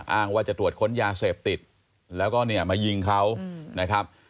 อ้างว่าจะตรวจค้นยาเสพติดแล้วก็มายิงเขา